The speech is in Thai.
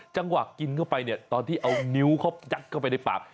จังหวะกินเข้าไปเนี่ยตอนที่เอานิ้วเขายัดเข้าไปในปาก